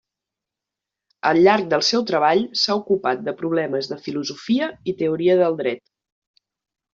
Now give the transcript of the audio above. Al llarg del seu treball s'ha ocupat de problemes de filosofia i teoria del dret.